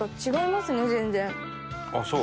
あっそう？